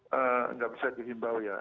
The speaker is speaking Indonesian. tidak bisa dihimbau ya